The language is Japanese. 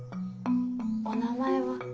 お名前は。